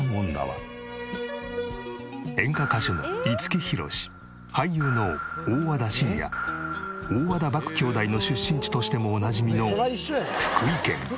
演歌歌手の五木ひろし俳優の大和田伸也大和田獏兄弟の出身地としてもおなじみの。